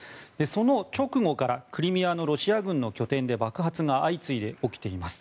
その直後からクリミアのロシア軍の拠点で爆発が相次いで起きています。